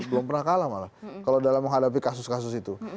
belum pernah kalah malah kalau dalam menghadapi kasus kasus itu